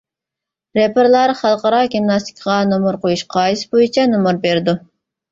رېپىرىلار خەلقئارا گىمناستىكىغا نومۇر قويۇش قائىدىسى بويىچە نومۇر بېرىدۇ.